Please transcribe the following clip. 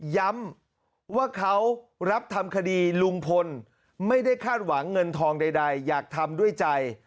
ย้ำว่าเขารับทำคดีลุงพลไม่ได้คาดหวังเงินทองใดอยากทำด้วยใจ